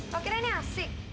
kok kirain asik